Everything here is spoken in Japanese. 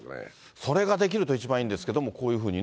それができたら一番いいんですけど、こういうふうにね。